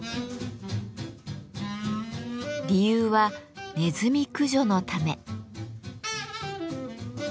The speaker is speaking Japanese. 理由はネズミ駆除のため。